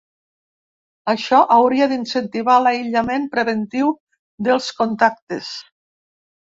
Això hauria d’incentivar l’aïllament preventiu dels contactes.